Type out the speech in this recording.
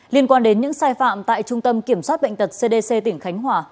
liên quan đến những sai phạm tại trung tâm kiểm soát bệnh tật cdc tỉnh khánh hòa